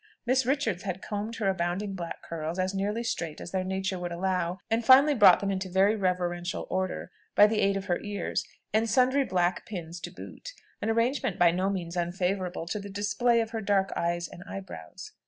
Miss Richards had combed her abounding black curls as nearly straight as their nature would allow, and finally brought them into very reverential order by the aid of her ears, and sundry black pins to boot, an arrangement by no means unfavourable to the display of her dark eyes and eyebrows.